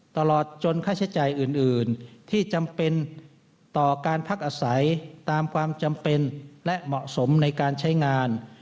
ตลอดจนค่าใช้จ่ายอื่นที่จำเป็นต่อการพักอาศัยตามความจำเป็นและเหมาะสมในการใช้งาน